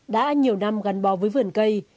đã nhiều năm gắn bò với vườn cây